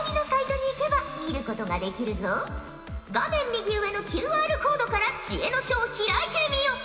画面右上のＱＲコードから知恵の書を開いてみよ！